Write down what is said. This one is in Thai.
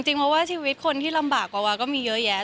แต่จริงเพราะว่าชีวิตคนที่ลำบากกว่าก็มีเยอะแยอะ